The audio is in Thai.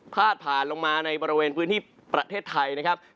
พาดผ่านลงมาในบริเวณพื้นที่ประเทศไทยนะครับ